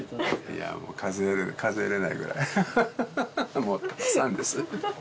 いやもう数え数えれないぐらいアハハハハもうたくさんです